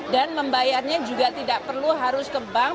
dan membayarnya juga tidak perlu harus ke bank